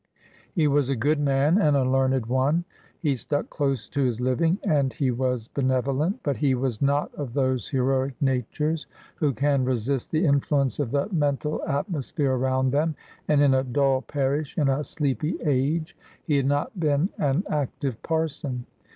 He was a good man, and a learned one. He stuck close to his living, and he was benevolent. But he was not of those heroic natures who can resist the influence of the mental atmosphere around them; and in a dull parish, in a sleepy age, he had not been an active parson.